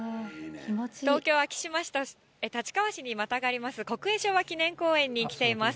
東京・昭島市と立川市にまたがります、国営昭和記念公園に来ています。